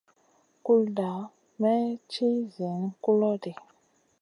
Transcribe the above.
Kulda may ci ziyn kulo ɗi.